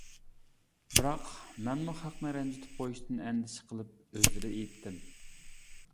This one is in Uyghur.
بىراق، مەنمۇ خەقنى رەنجىتىپ قويۇشتىن ئەندىشە قىلىپ ئۆزرە ئېيتتىم.